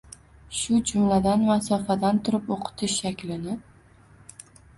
shu jumladan masofadan turib o`qitish shaklini